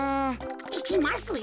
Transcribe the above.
いきますよ。